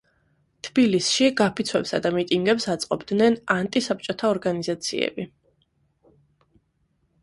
თბილისში გაფიცვებსა და მიტინგებს აწყობდნენ ანტისაბჭოთა ორგანიზაციები.